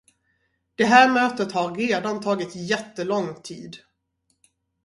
Det här mötet har redan tagit jättelångt tid.